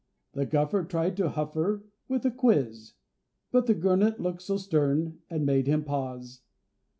The Guffer tried to huff her with a quiz, But the Gurnet looked so stern, it made him pause.